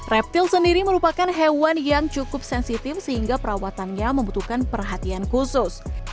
reptil sendiri merupakan hewan yang cukup sensitif sehingga perawatannya membutuhkan perhatian khusus